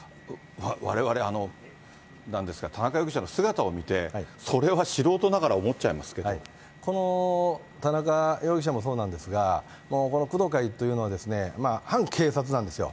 われわれ、なんですか、田中容疑者の姿を見て、それは素人ながらこの田中容疑者もそうなんですが、この工藤会というのは反警察なんですよ。